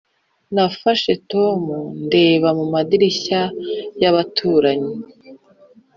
nafashe tom ndeba mu madirishya y'abaturanyi.